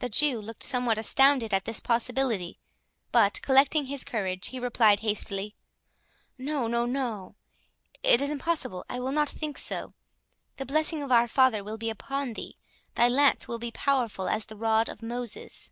The Jew looked somewhat astounded at this possibility; but collecting his courage, he replied hastily. "No—no—no—It is impossible—I will not think so. The blessing of Our Father will be upon thee. Thy lance will be powerful as the rod of Moses."